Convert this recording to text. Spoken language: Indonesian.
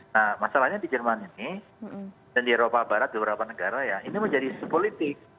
nah masalahnya di jerman ini dan di eropa barat beberapa negara ya ini menjadi sepolitik